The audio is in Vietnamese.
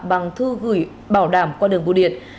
bằng thư gửi bảo đảm qua đường bù điện